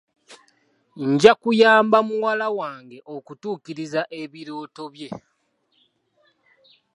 Nja kuyamba muwala wange okutuukiriza ebirooto bye.